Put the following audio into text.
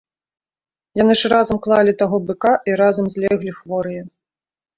Яны ж разам клалі таго быка і разам злеглі хворыя!